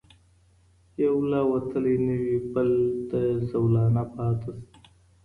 یو لا وتلی نه وي بل ته زولانه پاته سي